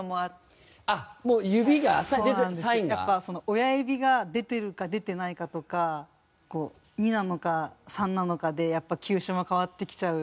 親指が出てるか出てないかとか２なのか３なのかでやっぱ球種も変わってきちゃう。